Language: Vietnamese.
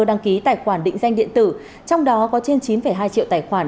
đăng ký tài khoản định danh điện tử trong đó có trên chín hai triệu tài khoản